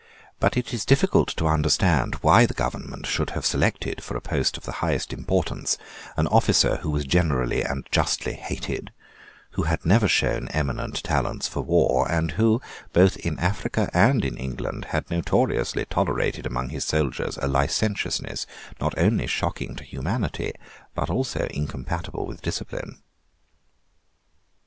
But it is difficult to understand why the Government should have selected for a post of the highest importance an officer who was generally and justly hated, who had never shown eminent talents for war, and who, both in Africa and in England, had notoriously tolerated among his soldiers a licentiousness, not only shocking to humanity, but also incompatible with discipline.